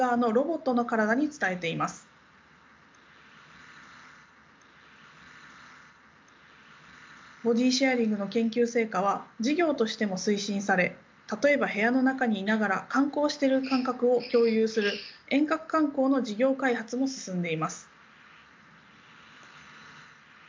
ボディシェアリングの研究成果は事業としても推進され例えば部屋の中にいながら観光してる感覚を共有する遠隔観光の事業開発も進んでいます。